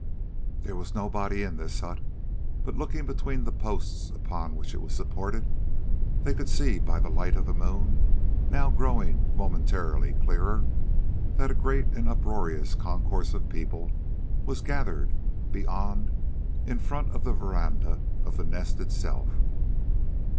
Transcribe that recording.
There was nobody in this hut, but looking between the posts upon which it was supported, they could see by the light of the moon, now growing momentarily clearer, that a great and uproarious concourse of people was gathered beyond in front of the verandah of the Nest itself.